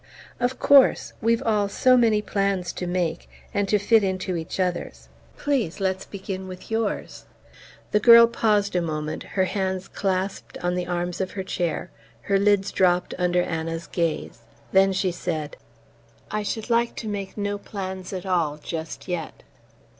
"Of course! We've all so many plans to make and to fit into each other's. Please let's begin with yours." The girl paused a moment, her hands clasped on the arms of her chair, her lids dropped under Anna's gaze; then she said: "I should like to make no plans at all ... just yet..."